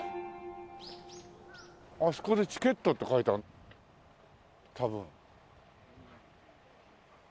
あそこでチケットって書いてある多分。